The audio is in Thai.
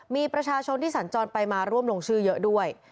มีประชาชนที่สัญจรไปมาร่วมลงชื่อเยอะด้วย